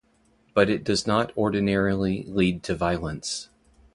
But it does not ordinarily lead to violence.